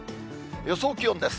予想気温です。